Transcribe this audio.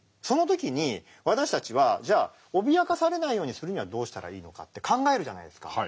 その時に私たちはじゃあ脅かされないようにするにはどうしたらいいのかって考えるじゃないですか。